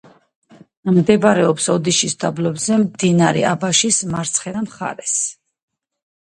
მდებარეობს ოდიშის დაბლობზე, მდინარე აბაშის მარცხენა მხარეს.